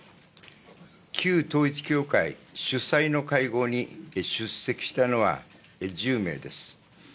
旧統一教会主催の会合に出席したのは１０名です。